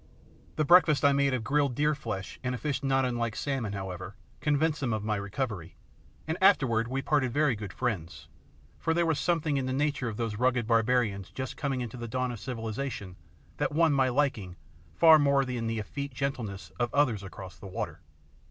The breakfast I made of grilled deer flesh and a fish not unlike salmon, however, convinced them of my recovery, and afterward we parted very good friends; for there was something in the nature of those rugged barbarians just coming into the dawn of civilisation that won my liking far more than the effete gentleness of others across the water.